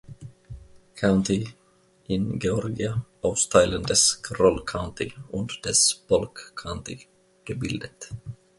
County in Georgia aus Teilen des Carroll County und des Polk County gebildet.